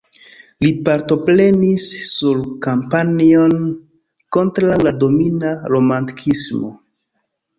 Li partoprenis sur kampanjon kontraŭ la domina romantikismo.